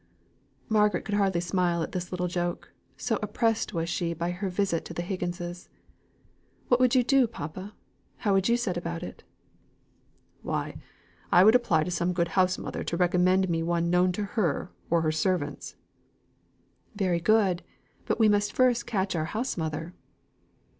Margaret could hardly smile at this little joke, so oppressed was she by her visit to the Higginses. "What would you do, papa? How would you set about it?" "Why, I should apply to some good house mother to recommend me one known to herself or her servants." "Very good. But we must first catch our house mother."